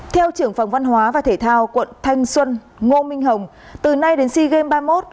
theo trưởng phòng văn hóa và thể thao quận thanh xuân ngô minh hồng từ nay đến sea games ba mươi một